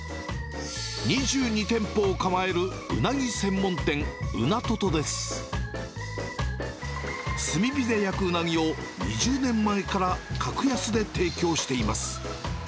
２２店舗を構える、うなぎ専門店、宇奈ととです。炭火で焼くうなぎを２０年前から格安で提供しています。